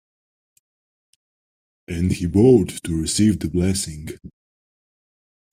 ' And he bowed, to receive the blessing.